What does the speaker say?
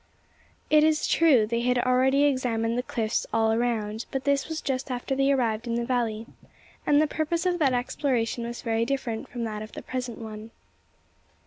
It is true they had already examined the cliffs all around; but this was just after they arrived in the valley, and the purpose of that exploration was very different from that of the present one.